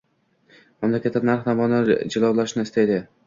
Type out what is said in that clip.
Mamlakatda narx-navoni jilovlashni istaydi.